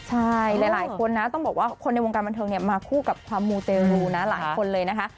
ใช่หลายคนในวงการบันเทิงมาคู่กับความมูดเจรูนะหลายคนเลยนะคะ